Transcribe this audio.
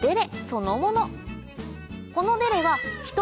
そのもの